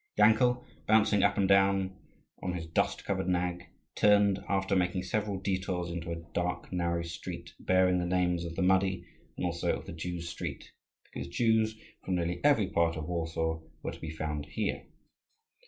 Yankel, bouncing up and down on his dust covered nag, turned, after making several detours, into a dark, narrow street bearing the names of the Muddy and also of the Jews' street, because Jews from nearly every part of Warsaw were to be found here.